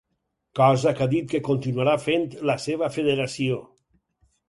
Cosa que ha dit que continuarà fent la seva federació.